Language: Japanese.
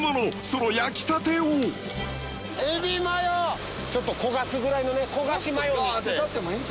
その焼きたてをちょっと焦がすぐらいのね焦がしマヨにして。